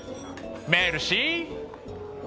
メルシー！